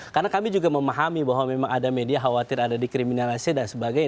karena kami juga memahami bahwa memang ada media khawatir ada dikriminalisasi dan sebagainya